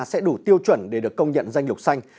sẽ đủ tiêu chuẩn để được công nhận danh lục xanh